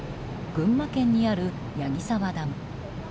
群馬県にある矢木沢ダム。